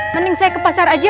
mending saya ke pasar aja